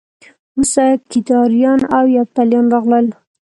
وروسته کیداریان او یفتلیان راغلل